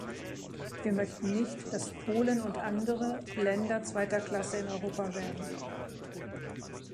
Wir möchten nicht, dass Polen und andere Länder zweiter Klasse in Europa werden.